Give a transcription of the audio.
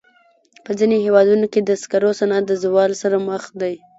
په ځینو هېوادونو کې د سکرو صنعت د زوال سره مخ دی.